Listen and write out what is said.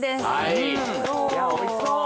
いやおいしそう！